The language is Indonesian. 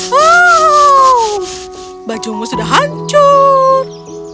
wow bajumu sudah hancur